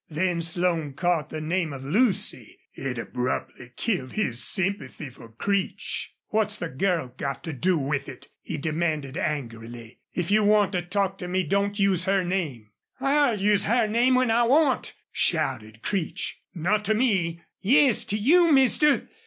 Then Slone caught the name of Lucy. It abruptly killed his sympathy for Creech. "What's the girl got to do with it?" he demanded, angrily. "If you want to talk to me don't use her name." "I'll use her name when I want," shouted Creech. "Not to me!" "Yes, to you, mister.